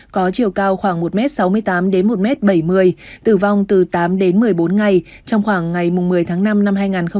có chiều cao khoảng một m sáu mươi tám đến một m bảy mươi tử vong từ tám đến một mươi bốn ngày trong khoảng ngày một mươi tháng năm năm hai nghìn hai mươi